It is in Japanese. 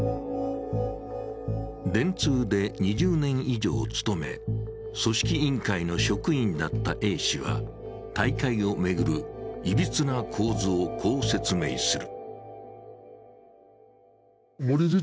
電通で２０年以上勤め、組織委員会の職員だったＡ氏は大会を巡るいびつな構図をこう説明する。